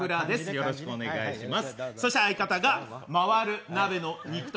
よろしくお願いします